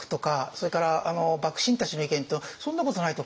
それから幕臣たちの意見だとそんなことないと。